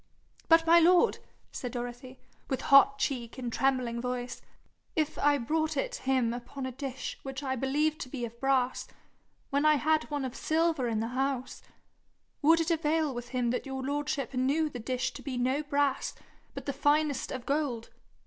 'But, my lord,' said Dorothy, with hot cheek and trembling voice, 'if I brought it him upon a dish which I believed to be of brass, when I had one of silver in the house, would it avail with him that your lordship knew the dish to be no brass, but the finest of gold?